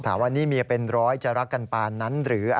ว่านี่เมียเป็นร้อยจะรักกันปานนั้นหรือ